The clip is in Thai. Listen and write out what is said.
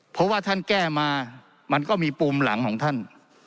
เพราะว่าท่านแก้มามันก็มีปุ่มหลังของท่าน